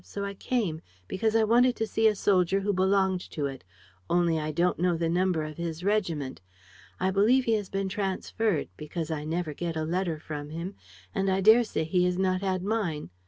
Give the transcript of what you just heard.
So I came, because I wanted to see a soldier who belonged to it, only I don't know the number of his regiment. I believe he has been transferred, because I never get a letter from him; and I dare say he has not had mine.